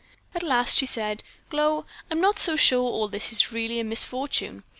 At last she said: "Glow, I'm not so sure all this is really a misfortune.